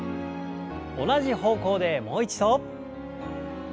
同じ方向でもう一度。